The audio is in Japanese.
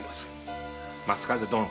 松風殿。